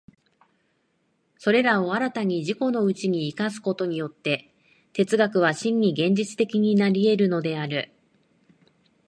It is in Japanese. それらを新たに自己のうちに生かすことによって、哲学は真に現実的になり得るのである。